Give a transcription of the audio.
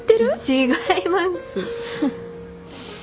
違います。